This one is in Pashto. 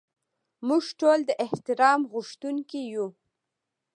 موږ ټول د احترام غوښتونکي یو.